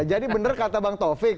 jadi benar kata bang taufik